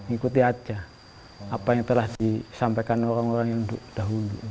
ikuti aja apa yang telah disampaikan orang orang yang dahulu